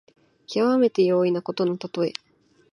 きわめて容易なことのたとえ。